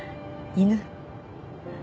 犬？